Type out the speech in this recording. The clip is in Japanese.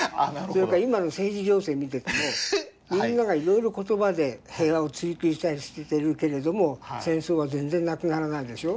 それか今の政治情勢見ててもみんながいろいろ言葉で平和を追求したりしてるけれども戦争は全然なくならないでしょ。